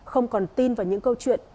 không còn tin vào những câu chuyện